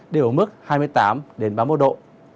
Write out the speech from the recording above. đều ở mức hai mươi tám ba mươi một độ